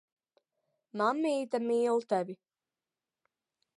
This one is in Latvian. Mammīte mīl tevi.